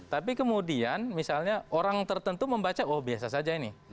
tapi kemudian misalnya orang tertentu membaca oh biasa saja ini